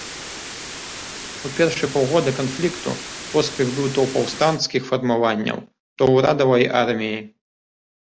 У першы паўгода канфлікту поспех быў то ў паўстанцкіх фармаванняў, то ў урадавай арміі.